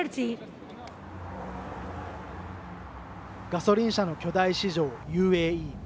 ガソリン車の巨大市場ＵＡＥ。